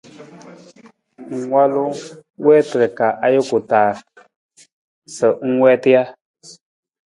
Ng walu na na wiitar ka ajuku taa sa ng wiita ja?